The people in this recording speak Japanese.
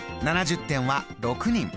７０点は６人。